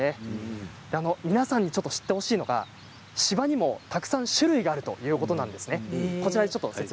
皆さんに知ってほしいのは芝にもたくさん種類があるということなんです。